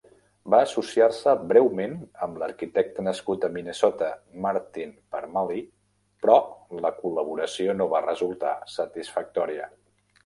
Va associar-se breument amb l'arquitecte nascut a Minnesota, Martin Parmalee, però la col·laboració no va resultar satisfactòria.